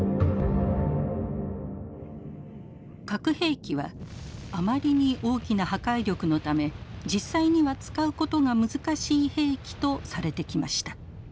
核兵器はあまりに大きな破壊力のため実際には使うことが難しい兵器とされてきました。